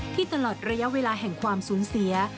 ตลอดระยะเวลาแห่งความสูญเสีย